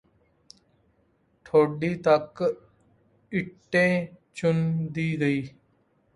ਠੋਡੀ ਤਕ ਈਂਟੇਂ ਚੁਨ ਦੀ ਗਈਂ